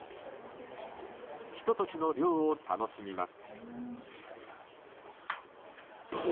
ひと時の涼を楽しみます。